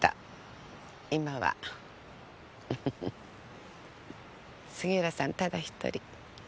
今はフフフ杉浦さんただ１人。